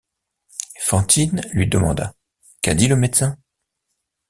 Fantine lui demanda: — Qu’a dit le médecin?